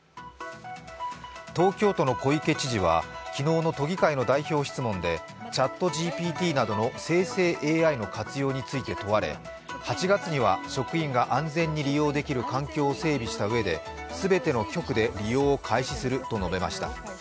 東京都の小池知事は昨日の都議会の代表質問でＣｈａｔＧＰＴなどの生成ＡＩの活用について問われ、８月には職員が安全に利用できる環境を整備したうえで全ての局で利用を開始すると述べました。